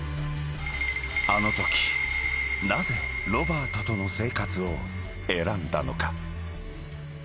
［あのときなぜロバートとの生活を選んだのか？］